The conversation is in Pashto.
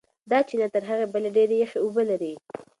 دا چینه تر هغې بلې ډېرې یخې اوبه لري.